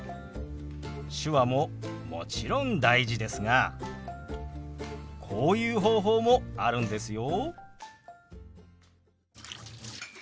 手話ももちろん大事ですがこういう方法もあるんですよ。